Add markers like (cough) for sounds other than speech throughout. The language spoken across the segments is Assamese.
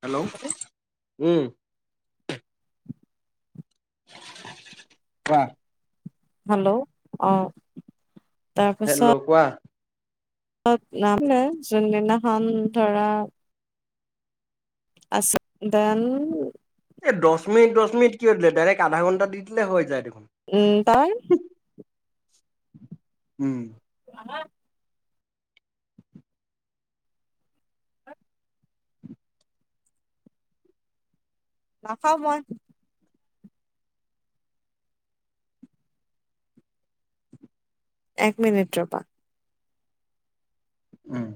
হেল্ল' উম, কোৱা? হেল্ল' অ, হেল্ল' কোৱা? নাম নাই যোনদিনাখন ধৰা আছে। ডেন, তুমি কি দিল ডাইৰেক্ আধা ঘণ্টা দি দিলে হৈ যায় দেখুন। উম তই উম, হ (unintelligible) নাখাওঁ মই। এক মিনিট ৰবা। উম,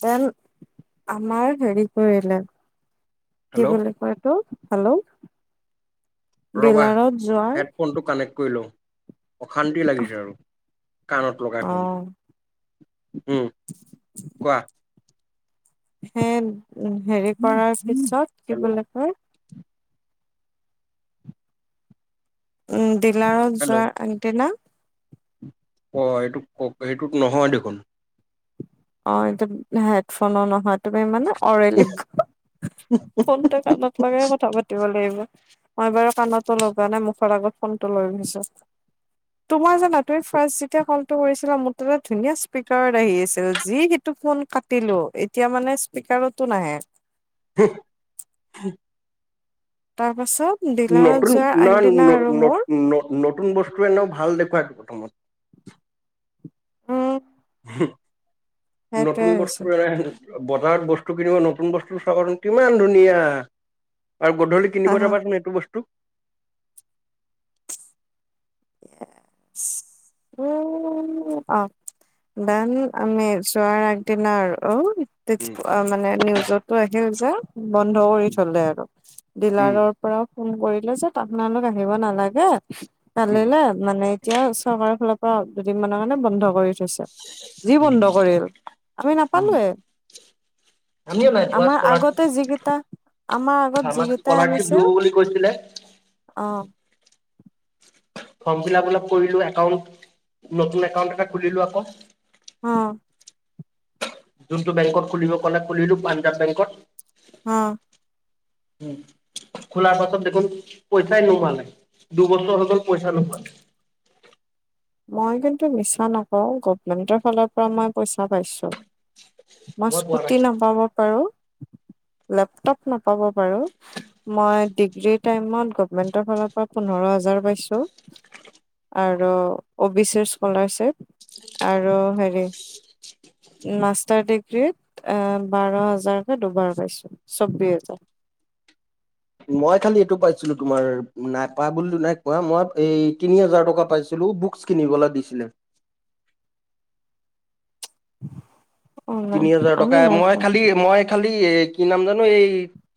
দেন আমাৰ হেৰি কৰিলে। কি হেল্ল' বুলি কয় সেইটো? হেল্ল', ৰবা ডিলাৰত যোৱাৰ হেডফোনটো কানেক্ট কৰি লওঁ। অশান্তি লাগিছে আৰু। কাণত লগাই অ ফোনটো। উম', কোৱা? হেইড হেৰি কৰাৰ পিছত কি হেল্ল' বুলি কয়? উম ডিলাৰত হেল্ল' যোৱাৰ আগদিনা। অ এইটো ক সেইটোত নহয় দেখোন অ এটো হেডফোনো নহয়। তুমি মানে অৰেলি ফোনটো কণত লগাই কথা পাতিব লাগিব। মই বাৰু কাণতো লগোৱা নাই মুখৰ আগত ফোনতটো লৈ গৈছো। তোমাৰ জানা তুমি ফাষ্ট যেতিয়া কল কৰিছিল আৰু মোৰ তটা ধুনীয়া স্পীকাৰ আহি আছিল। যি সেইটো ফোন কাটিলো এতিয়া মানে স্পিকাৰতো নাহে। (unintelligible) তাৰ পাছত ডিলাৰত নতুন যোৱাৰ ন আগদিনা আৰু মোৰ নতুন বস্তু এনেও ভাল দে প্ৰথমত। উম, হম, সেইটোৱে নতুন হৈছে বস্তুৰে এ। বজাৰত বস্তু কিনিব নতুন বস্তু চাবচোন কিমান ধুনীয়া। আৰু গধূলি হা কিনিব হা যাবা চোন সেইটো বস্তু উম অ দাম আমি যোৱাৰ আগদিনা আৰু অ তে মানে নি যতো আহে যা বন্ধ কৰি থলে আৰু উম ডিলাৰৰ পৰা ফোন কৰিলে যে আপোনালোক আহিব নালাগে। উম ভালিলে মানে এতিয়া ওচৰ আমাৰ ফালৰ পৰা দুদিন মানৰ কাৰণে বন্ধ কৰি থৈছে। যি বন্ধ কৰিল আমি নাপালোয়ে, আমিও নাই পোৱা আমাৰ আগতে স্কলাৰশ্বিপ যিকেইটা আমাৰ আগত আমাক যিকেইটাই স্কলাৰশ্বিপ আনিছিল দিব বুলি কৈছিলে আহ। ফৰ্ম ফিল আপ অলপ কৰিলো একাউন্ট নতুন একাউন্ট এটা খুলিলো আকৌ। অ। যোনটো বেংকত খুলিব কলে খুলিলো পাঞ্জাৱ বেংকত। অ উম খোলাৰ পাছত দেখোন পইচাই নুসোমালে, দুবছৰ হৈ গল পইচা নুসোমালে। মই কিন্তু মিছা নকওঁ গভমেন্টৰ ফালৰ পৰা মই পইচা পাইছোঁ। মই পোৱা স্কুটি নাছিলো নাপাব পাৰো লেপটপ নাপাব পাৰো, মই ডিগ্ৰীৰ টাইমত গভমেন্টৰ ফালৰ পৰা পোন্ধৰ হাজাৰ পাইছো। আৰু অ' বি চি স্কলাৰশ্বিপ। আৰু হেৰি মাষ্টাৰ ডিগ্ৰীত বাৰ হাজাৰকৈ দুবাৰ পাইছো চৌবিশ হাজাৰ। মই খালি এইটো পাইছিলো, তোমাৰ নাইপা বুলি নাই কোৱা মই এই তিনি হাজাৰ টকা পাইছিলো বুকচ কিনিবলৈ দিছিলে। অ' নাই তিনি হাজাৰ আমি টকা নাই মই পোৱা খালি মই খালি এই কি নাম জানো এই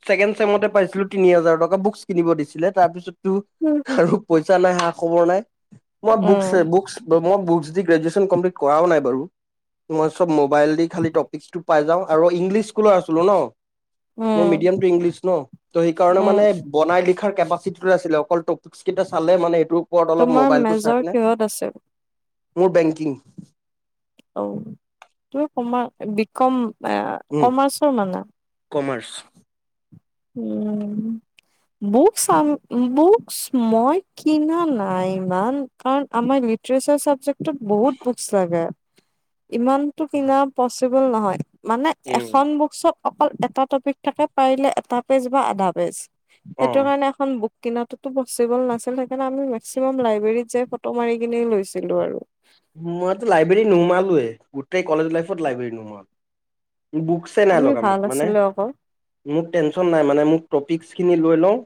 ছেকেণ্ড ছেমতে পাইছিলো তিনি হাজাৰ টকা বুক কিনিব দিছিলে, তাৰপিছত আৰু পইচা নাই অহা খবৰ নাই। ম উম বুকছ-বুকছ ম-বুকছ দি গ্ৰেজুৱেছ ন কমপ্লিট কৰাও নাই বাৰু, মই চব মোবাইল দি খালি টপিক টো পাই যাওঁ, আৰু ইংলিছ স্কুলৰ আছিলো ন। মোৰ উম মিডিয়ামটো ইংলিছ ন, ত সেইকাৰণে মানে উম বনাই লি লিখাৰ কেপাচিটিটো আছিলে, অকল টপিকছ কেইটা চাল মানে এইটো তোমাৰ মেজৰ কিহত আছিল? মোৰ বেংকিং। অ', তুমি কমা-বিকম উম কমাৰ্চৰ মানে। কমাৰ্চ। উম, বুকচ চাও, বুকচ মই কিনা নাই ইমান, কাৰণ আমাৰ লিটাৰেচাৰ চাবজেক্ট তত বহুত বুকচ লাগে। ইমানতো কিনা পচ চিবল নহয়। মানে উম এখন বুকচত অকল এটা টপিক থাকে, পাৰিলে এটা পেজ বা আধা পেজ। অ সেইটো কাৰণে এখন বুক কিনাতটোতো পচিবল নাছিল, সেইকাৰণে আমি মেক্সিমাম লাইব্ৰেৰীত যাই ফটো মাৰি কিনে লৈছিলো আৰু। মইতো লাইব্ৰেৰী নোহোমালোৱে। গোটেই কলেজ লাইফত লাইব্ৰেৰী নোহোমালু। বুকছে নাই আমি লগা মোক ভাল মানে, আছিলো আকৌ মোক টেনচন নাই মানে মোক টপিকচ খিনি লৈ লওঁ।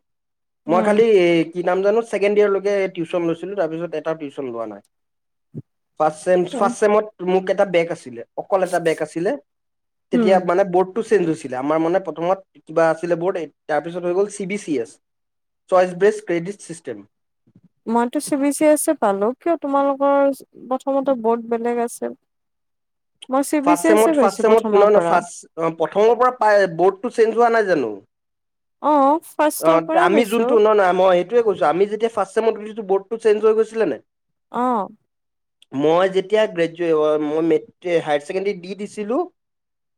মই উম খালি কি নাম জানো ছেকেণ্ড ইয়েৰ লৈকে টিউছন লৈছিলো, তাৰপিছ এটাও টিউছন লোৱা নাই। ফাৰ্ষ্টচেম-ফাৰ্ষ্টচেমত মোক এট এটা বেগ আছিলে। অকল এটা বেগ আছিলে, তেতিয়া উম মানে ব'ৰ্ড টো চেঞ্জ হৈছিলে, আমাৰ মানে প্ৰথম কিবা আছিলে বৰ্ড, তাৰপিছত হৈ গ'ল C B C S, choice based credit system. মইতো চি বি চি এছে পালো, কিয় তোমালোকৰ প্ৰথমতে বৰ্ড বেলেগ আছিল? মই চি বি চি এছে পাইছো ফাৰ্ষ্টচেমত-ফাৰ্ষ্টচেমত প্ৰথমৰ নহয়-নহয় পৰা ফাষ্ট, অ, প্ৰথমৰ পৰা পা-বৰ্ডটো চেঞ্জ হোৱা নাই জানো? অ। ফাৰ্ষ্টৰ অ' পৰাই আমি পাইছো যোনটো ন-নহয় মই সেই তোৱেই কৈছো আমি যেতিয়া ফাষ্ট চেমত গৈছিলোঁ বৰ্ডটো ছেঞ্জ হৈ গৈছিলে নে। অ। মই যেতিয়া গ্ৰেজে মই মে হায়াৰ ছেকেণ্ডৰী দি দিছিলোঁ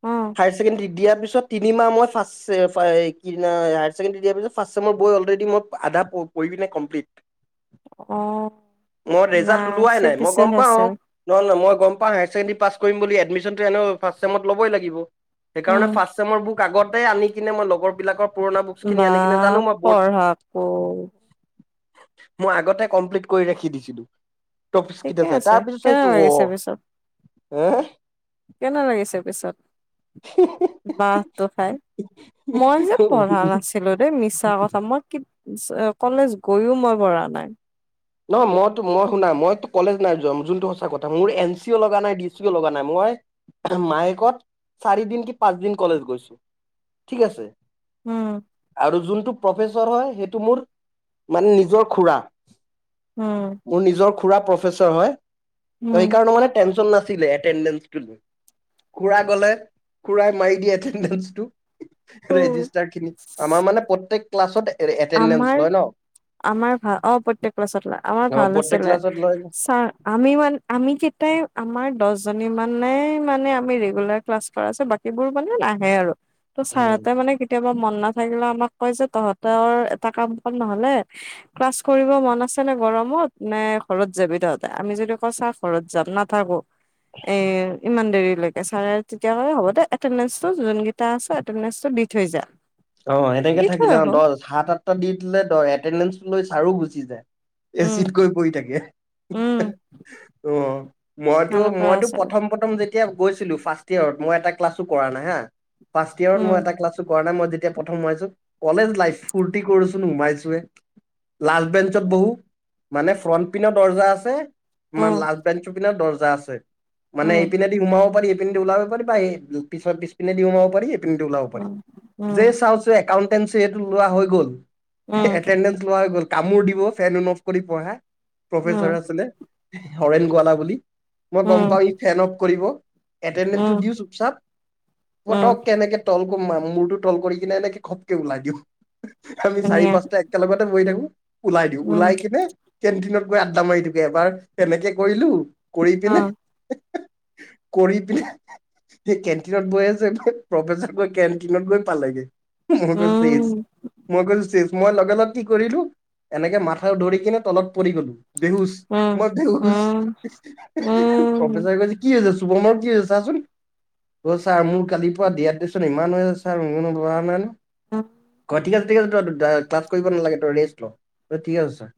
অ হায়াৰ ছেকেণ্ডাৰী দিয়াৰ পিছত তিনিমাহ মই ফাৰ্ষ্ট (unintelligible) ছেকেণ্ডাৰী দিয়া পিছত, ফাৰ্ষ্ট ছেমৰ (unintelligible) অলৰেডী মই আধা পঢ়ি বিনে কমপ্লিট। অ মই ৰেজাল্ট নাই ওলোৱাই চি নাই বি মই চি গম এছ পাওঁ। আছিল নহ'লে ন মই গম পা হায়াৰ ছেকেডেৰী পাছ কৰিম বুলি। এডমিশ্যনটো এনেও ফাৰ্ষ্টছেমত লবই লা। সেইকাৰণে উম ফাৰ্ষ্ট চছেমৰ বুক আগতে আনি কিনে মই লগৰ বিলাকৰ পুৰণা বুক বা পঢ়াকৌ। মই আগতে কমপ্লিট কৰি ৰাখি দিছিলোঁ। ঠিকে আছে কেনে লাগিছে পিছত হে কেনে লাগিছে পিছত বাহটো খাই মই যে পঢ়া নাছিলো। মিছা কথা মই কলেজ গৈও মই পৰাঢ়া নাই নহয় মইো মই শুনা মইতো কলেজ নাই যোৱা যোনটো সঁচা কথা মোৰ এন চি অ লগা নাই ডি চি অ লগা নাই মই মায়েকত চাৰি দিন কি পাঁচ দিন কলেজ গৈছো ঠিক আছে উম আৰু যোনটো। ম নিৰ খ উম মোৰ নিজৰ খুৰা প্ৰে হয় ত উম সেইকাৰণে মানে টেনশ্যন নাছিল ড খুৰা গলে খুৰাই মাৰি দিয়ে এটেডেটো উম। ৰেজিষ্টাৰ খিনি আমাৰ মানে প্ৰতেক ক্লছতে আমাৰ আমাৰ ভা অ প্ৰত্যেক ল আমাৰ অ ভাল প্ৰত্যেক আছিলে ক্লাছত লয় চ আমি মান আমি কেইটাই আমাৰ দহজনী মান মানে মানে আমি ৰেগুলাৰ ক্লাছ কৰাছো বাকীবোৰ মানে নাহে আৰু ত উম ছাৰহঁতে মানে কেতিয়াবা মন নাচ থাকিলে আমাক কয় যে তহঁত তৰ এটা কাম কাম নহ'লে ক্লাছ কৰিব মন আছে নে গৰমত নে ঘৰত যাবি তহঁতে আমি যদি ক চা ঘৰত যাম নাথাকো এ ইমান দেৰি তে হ'ব যোন আ দি থৈ য অ সেনেকে থাকিলে অ দহ সাত সাতটা দি দিলে এটেণ্ডেন্ঞ্চটো লৈ ছাৰো গুচি যায় উম এচিিতকৈ পৰি থাকে উম অ মইতো সেনেকুৱা মইতো আছে প্ৰথম প্ৰথম যেতিয়া এতিয়া গৈছিলো ফাৰ্ষ্ট ইয়েৰত মই এটা ক্লাছো কৰা নাই হা পাৰ্ষ ইয়েৰত মই উম এটা ক্লাছো কৰা নাই মই এতিয়া প্ৰথম সোমাইছো কলেজ লাইফ ফূুৰ্তি কৰছোন সোমাইছৱে লাল বেনঞ্চ বহু মানে ফ্ৰণ্ট পনৰত দৰ্জা আছে তাৰ উম লাষ্ট বে পিা দহ া আছে মানে উম এইপিনেদি সোমাব পাৰি ন্ ওলাব পা পিছ পিনে দিওঁ ম প পিন্ধি ওলাব পাৰি। উম উম যে চাওঁচ একাউণ্ট (unintelligible) লোৱা হৈ গ'ল উম এটেনডেন্স (unintelligible) কামোৰ দিব ফেন ন অফ কৰি পঢ়াই। উম। প্ৰফেচাৰ আছিলে। হৰেণ গোৱালা বুলি। মই গম উম, পাও ই ফেন অফ কৰিব। এটেনডেন্সটো উম, দিওঁ চুপ চাপ, উম, পটককে এনেকে তল মু মাম মুৰটোত তল কৰি কিনে এনেকে খপকে ওলাই দিম। আমি চাৰি ধুনীয়া পাঁচটা একেলগতে বহি থাকো। ওলাই দিওঁ উম, ওলাই কিনে কেণ্টিনত গৈ আড্ডা মাৰি দিওঁগে, এবাৰ তেনেকে কৰিলো। কৰি পিনে অ', কৰি পিনে সেই কেণ্টিনত বৈ আছে, প্ৰফেচত গৈ কেনটিনত গৈ, পালেগে। মই কৈছোঁ চেছ, উম, মই কৈছোঁ চেছ। মই লগে লগ কি কৰিলো, এনেকে মাথা ধৰি কিনে তলত পৰি গলো। বেহুচ, উম, মই বেহুচ, উম, উম, প্ৰফেচাৰ কৈছে কি হৈ হৈছে (unintelligible) কি হৈছে চাচোন। অ ছাৰ মোৰ কালিৰ পৰা দিহাইডেচন ইমান হৈ আ (inaudible) (unintelligible) ঠিক আছে ক্লাছ কৰিব নালাগে তই ৰেষ্ট ল ত ঠিক আছে ছাৰ।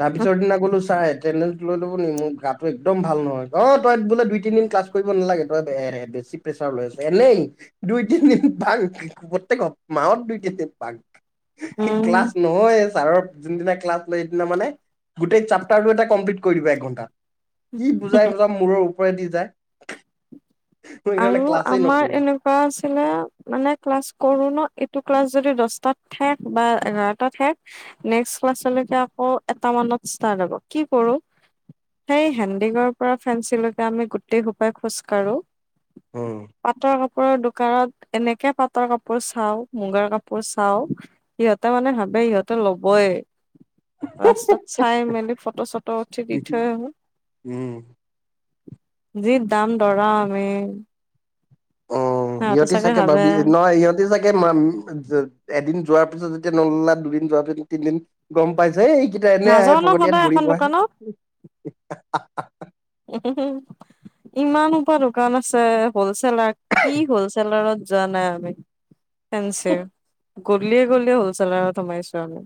তাৰপিছৰ দিনা গ'লো চাৰ এত্তেদেন্স? লৈ ল'ব নি? মোৰ গাটো একদম ভাল নহয়। অ তই বোলে দুই তিনদিন ক্লাছ কৰিব নালাগে, তই এ বেছি প্ৰেছাৰ লৈ আছ এনেই দুই তিনদিন। বাংক, প্ৰত্যেক হ মাহত দুই তিন দিন বাংক। উম, ক্লাছ নহয় ছাৰৰ যোনদিনা ক্লাছ লয় সেইদিনা মানে, গোটেই চাপ্তাৰটো এটা কমপ্লিট কৰি দিব এক ঘন্টা। কি বুজাই বজাম মোৰৰ ওপৰত উপৰে দি যায়। মই সেইকাৰণে আৰু ক্লাছেই আমাৰ নকৰো এনেকুৱা আছিলে। মানে ক্লাছ কৰো ন, এইটো ক্লাছ যদি দছটাত শেষ বা এঘাৰটা শেষ নেক্সট ক্লাছলেকে আকৌ এটা মানত ষ্টাৰ লব কি কৰো সেই হেণ্ডিঙৰ পৰা ফেঞ্চিলৈকে আমি গোটেই সোপাই খোজ কঢ়ো। উম। কাপোৰৰ দোকানত এনেকে পাটৰ কাপোৰ চাওঁ, মুগাৰ কাপোৰ চাওঁ, সিহঁতে মানে ভাবে সিহঁতে ল'বই। ৰাস্তাত চাই মেলি ফটো চটো উঠি দি থৈ আহোঁ। উম। যি দাম দৰা। মেই অ সিহঁতি চাগে ভাবি নহয় সিহঁতি চাগে ম এদিন যোৱাৰ পিছত যেতিয়া নললা দুদিন যোৱাৰ পিছত তিনদিন গম পাইছে যে এইকেইটা এনেই আহে নাযাও ন ফকটিয়াত সদায় ঘূৰিব এখন আহে। দোকানত উম হু। ইমান সোপা দোকান আছে। হলছেলেৰ কি হ'লছেলাৰত জানাই আমি। ফেন্সীৰ। গলিয়ে গলিয়ে হ'লছেলাৰত সোমাইছো আমি।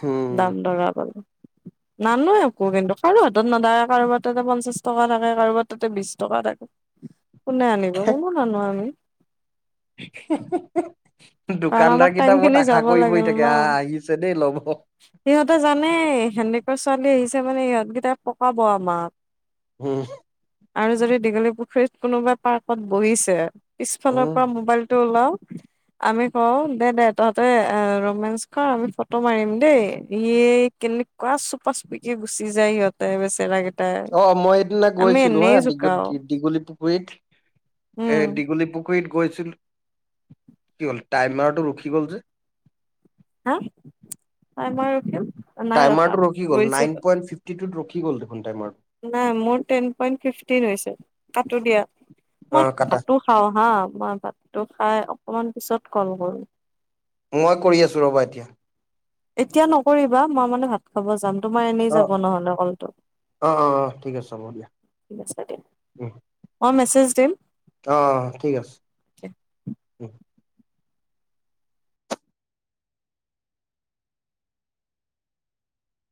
হম দাম দৰা কৰিব। নানো একো কিন্তু কাৰো হাতত নদায়, কাৰোবাত তাতে পঞ্চাশ টকা থাকে, কাৰোবাৰ তাতে বিশ টকা থাকে। কোনে আনিব, কোনো নানো আমি। (unintelligible) দোকানদাৰ আৰামত কেইটা টাইম বহুত খিনি আশা যাব কৰি বহি লাগিল থাকে ন, আহ আহিছে দেই ল'ব সিহঁতে জানেই সেনে কা ছোৱালী আহিছে মানে সিহঁতকেইটাই পকাব আমাক। উম। আৰু যদি দীঘলী পুখুৰীত কোনোবা পাৰ্কত বহিছে পিছফালৰ উম পৰা মোবাইল টো লওঁ আমি কওঁ দে দে তহঁতে ৰোমেঞ্চ কৰ আমি ফটো মাৰিম দেই ই কেনেকুৱা চুপা চুপিকে গুচি যায় সিহঁতে বেচেৰাগে অ মই সেইদিনা গৈছিলো হা জোকাও দীঘলী পুখুৰীত, উম এ দীঘলী পুখুৰীত গৈছিল কি হ'ল টাইমাৰটো ৰখি গ'ল যে। হা হয় মই ৰখিম। নাই ৰখা টাইমাৰ টো ৰখি গল গৈছে নাইন পইণ্ট ফিফটি তোত ৰখি গল। কি কৰিল দে নাই মোৰ টেন পইট ফিফটিন হৈছে কাটো দিয়া। অ মই কাটা ভাত খাওঁ হা মই ভাতটো খাই অকমান পিছত কল কৰো। মই কৰি আছো ৰ'বা এতিয়া। এতিয়া নকৰিবা মই মানে ভাত খাব যাম। এনে অ ন অ অ অ ঠিক আছে হ'ব দিয়া টডেম অ ঠিক আছে।